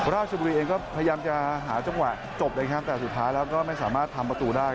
ราชบุรีเองก็พยายามจะหาจังหวะจบเลยครับแต่สุดท้ายแล้วก็ไม่สามารถทำประตูได้